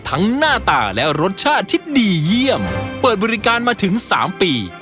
หน้าตาและรสชาติที่ดีเยี่ยมเปิดบริการมาถึง๓ปี